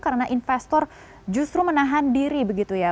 karena investor justru menahan diri begitu ya